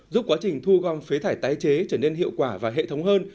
giúp quá trình thu gom phế thải tái chế trở nên hiệu quả và hệ thống hơn